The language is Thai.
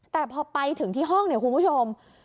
แต่พอไปถึงที่ห้องเนี่ยคุณผู้ชม